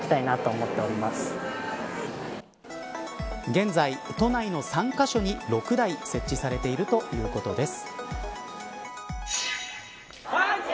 現在都内の３カ所に６台設置されているということです。